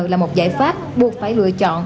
là một giải pháp buộc phải lựa chọn